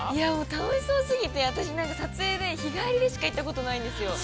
◆楽しそう過ぎて、私、撮影で日帰りでしか行ったことがないんですよ。